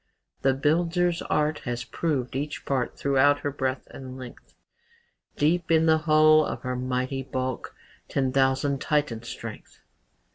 "The builder's art Has proved each part Throughout her breadth and length; Deep in the hulk, Of her mighty bulk, Ten thousand Titans' strength."